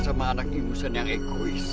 sama anak ibusan yang ekois